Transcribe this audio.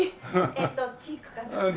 えーっとチークかなんか。